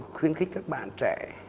khuyến khích các bạn trẻ